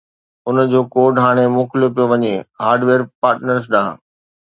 ان جو ڪوڊ ھاڻي موڪليو پيو وڃي هارڊويئر پارٽنرز ڏانھن